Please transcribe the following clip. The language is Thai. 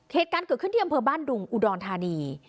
เหตุการณ์เกิดขึ้นที่อำเภอบ้านดุงอุดรธานี